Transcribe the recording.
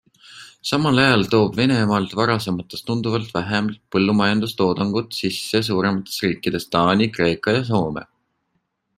Samal ajal toob Venemaalt varasemast tunduvalt vähem põllumajandustoodangut sisse suurematest riikidest Taani, Kreeka ja Soome.